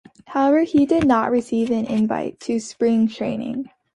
However, he did not receive an invite to spring training.